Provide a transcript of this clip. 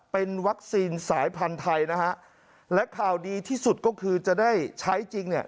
เป็นวัคซีนสายพันธุ์ไทยนะฮะและข่าวดีที่สุดก็คือจะได้ใช้จริงเนี่ย